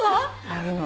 あるの。